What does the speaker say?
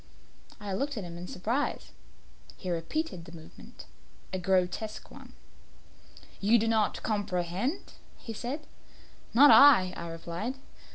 I looked at him in surprise. He repeated the movement a grotesque one. "You do not comprehend?" he said. "Not I," I replied.